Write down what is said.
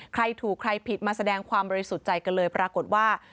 ใครถูกใครผิดมาแสดงความบริสุทธิ์ใจกันเลยปรากฏว่า